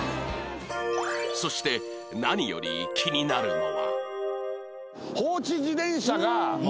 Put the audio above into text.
そして何より気になるのは